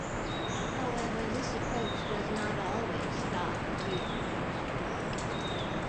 However, this approach does not always stop reinfection.